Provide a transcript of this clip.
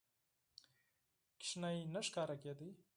ماشوم نه ښکارېده.